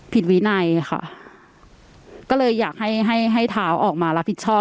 วินัยค่ะก็เลยอยากให้ให้ให้เท้าออกมารับผิดชอบ